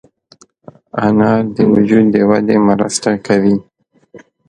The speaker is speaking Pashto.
انار د وجود د ودې مرسته کوي.